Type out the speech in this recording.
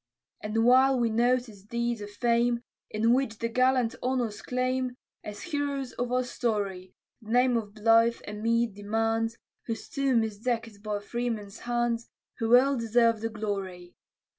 And while we notice deeds of fame, In which the gallant honors claim; As heroes of our story, The name of Blyth a meed demands, Whose tomb is deck'd by freemen's hands, Who well deserve the glory.